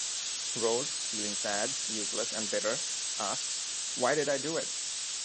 Rose, feeling sad, useless and bitter, asks Why did I do it?